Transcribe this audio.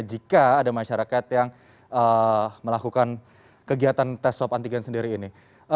jika ada masyarakat yang melakukan kegiatan tes swab antigen sendiri ini